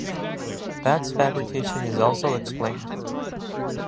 Bats fabrication is also explained.